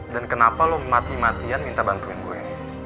dan kenapa lo mati matian minta bantuin gue